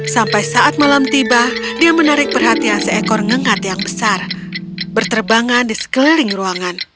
sampai saat malam tiba dia menarik perhatian seekor ngengat yang besar berterbangan di sekeliling ruangan